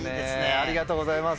ありがとうございます。